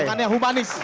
bukan yang humanis